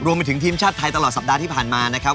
รวมไปถึงทีมชาติไทยตลอดสัปดาห์ที่ผ่านมานะครับ